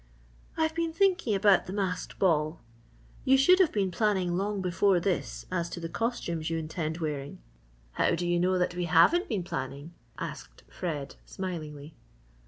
"I've been thinking about the masked ball you should have been planning long before this as to the costumes you intend wearing." "How do you know that we haven't been planning?" asked Fred, smilingly.